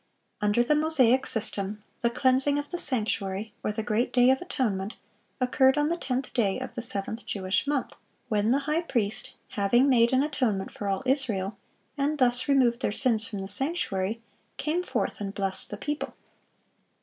Under the Mosaic system, the cleansing of the sanctuary, or the great day of atonement, occurred on the tenth day of the seventh Jewish month,(655) when the high priest, having made an atonement for all Israel, and thus removed their sins from the sanctuary, came forth and blessed the people.